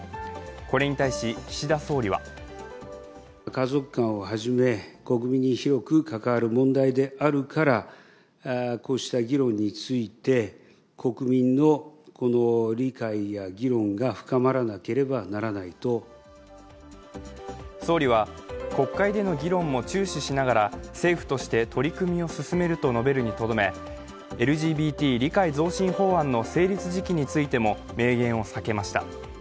これに対し、岸田総理は総理は、国会での議論も注視しながら政府として取り組みを進めると述べるにとどめ、ＬＧＢＴ理解増進法案の成立時期についても明言を避けました。